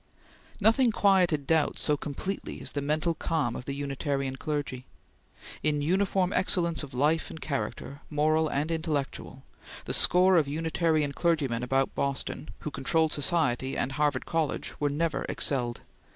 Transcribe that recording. Nothing quieted doubt so completely as the mental calm of the Unitarian clergy. In uniform excellence of life and character, moral and intellectual, the score of Unitarian clergymen about Boston, who controlled society and Harvard College, were never excelled.